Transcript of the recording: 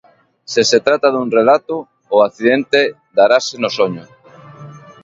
Se se trata dun relato, o accidente darase no soño.